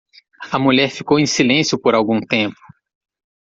A mulher ficou em silêncio por algum tempo.